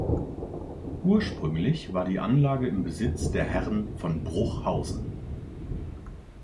Ursprünglich war die Anlage im Besitz der Herren von Bruchhausen.